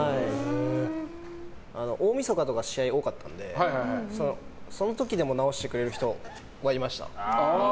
大みそかとか試合が多かったのでその時でも治してくれる人はいました。